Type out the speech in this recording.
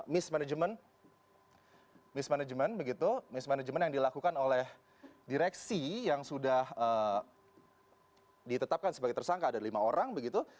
mismanagement mismanagement begitu mismanagement yang dilakukan oleh direksi yang sudah ditetapkan sebagai tersangka ada lima orang begitu